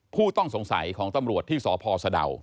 ผู้ต้องสงสัยของตำรวจที่สพสะดาว